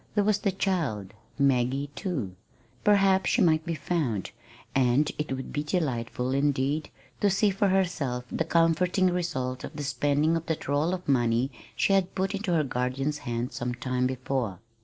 There was the child, Maggie, too. Perhaps she might be found, and it would be delightful, indeed, to see for herself the comforting results of the spending of that roll of money she had put into her guardian's hands some time before.